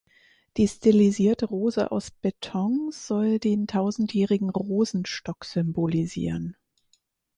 Die stilisierte Rose aus Beton soll den Tausendjährigen Rosenstock symbolisieren.